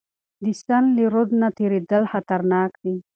د سند له رود نه تیریدل خطرناک دي.